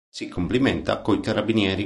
Si complimenta coi carabinieri.